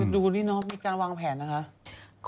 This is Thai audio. ดูนี่เนาะมีการวางแผนนะคะ